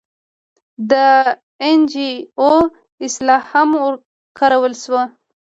د این جي او اصطلاح هم کارولی شو.